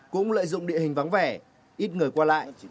cũng lợi dụng địa hình vắng vẻ ít người qua lại